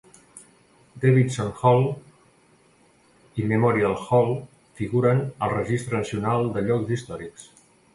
Davidson Hall i Memorial Hall figuren al Registre Nacional de Llocs Històrics.